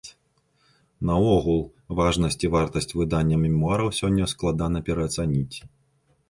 Наогул, важнасць і вартасць выдання мемуараў сёння складана пераацаніць.